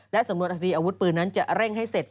และสำนวนคดีอาวุธปืนนั้นจะเร่งให้เสร็จ